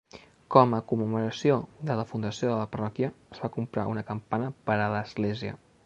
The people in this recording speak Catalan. Com a commemoració de la fundació de la Parròquia, es va comprar una campana per a l'església.